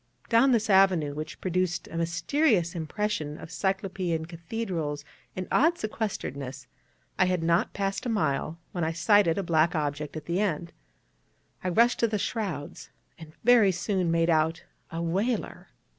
Down this avenue, which produced a mysterious impression of Cyclopean cathedrals and odd sequesteredness, I had not passed a mile, when I sighted a black object at the end. I rushed to the shrouds, and very soon made out a whaler.